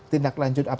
tindak lanjut apakah